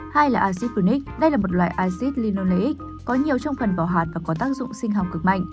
hai là azipunic đây là một loại azipunic có nhiều trong phần vỏ hạt và có tác dụng sinh học cực mạnh